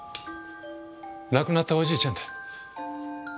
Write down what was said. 亡くなったおじいちゃんだ。